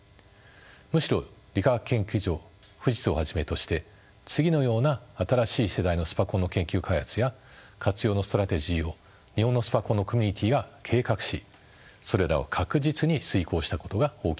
むしろ理化学研究所富士通をはじめとして次のような新しい世代のスパコンの研究開発や活用のストラテジーを日本のスパコンのコミュニティーが計画しそれらを確実に遂行したことが大きいと思います。